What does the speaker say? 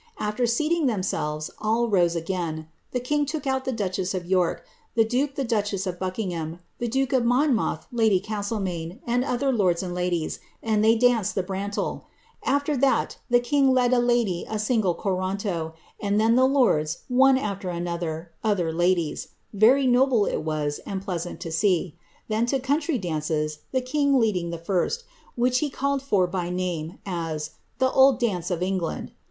AAer seating themselves, all sin; the king took out the duchess of York, the duke the duchess kingham, the duke of Monmouth my lady Castlemaine, other iher ladies, and they danced the hrarUU* After that the king led a single corantOy and then the lords, one after another, other very noble it was, and pleasant to see. Then to country dances, g leading the first, which he called for by name, as ^ the old dance land.'